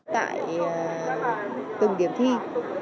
tại từng điểm thi